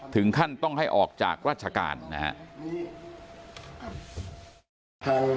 ถึงขั้นต้องให้ออกจากราชการนะครับ